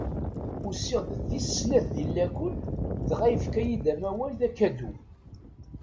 Usiɣ-d d tis snat di lakul dɣa fkan-iyi-d amawal d akadu.